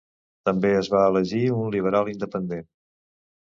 També es va elegir un liberal independent.